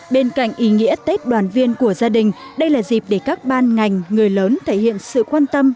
bên cạnh ý nghĩa tết đoàn viên của gia đình đây là dịp để các ban ngành người lớn thể hiện sự quan tâm